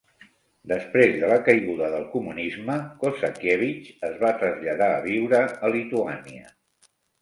Després de la caiguda del comunisme, Kozakiewicz es va traslladar a viure a Lituània.